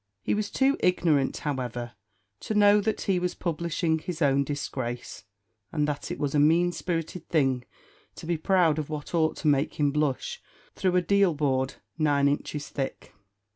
He was too ignorant, however, to know that he was publishing his own disgrace, and that it was a mean spirited thing to be proud of what ought to make him blush through a deal board nine inches thick.